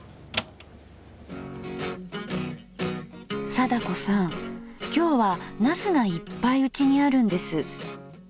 貞子さん今日は茄子がいっぱいうちにあるんです。